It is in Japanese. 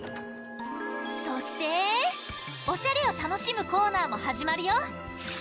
そしておしゃれをたのしむコーナーもはじまるよ。